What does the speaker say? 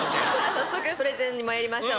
早速プレゼンにまいりましょう。